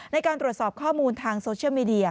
ในการตรวจสอบข้อมูลทางโซเชียลมีเดีย